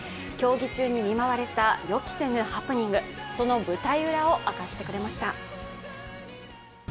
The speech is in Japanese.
競技中に見舞われた予期せぬハプニング、その舞台裏を明かしてくれました。